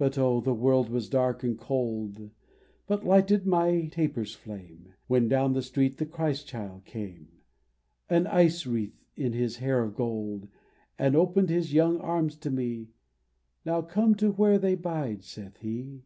And oh ! the world was dark and cold (But lighted by my taper's flame), When down the street the Christ Child came, An ice wreath in His hair of gold, And opened His young arms to me : "Now come to where they bide," saith He.